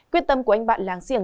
quyết tâm của anh bạn láng giềng